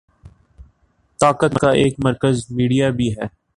طاقت کا ایک مرکز میڈیا بھی ہے۔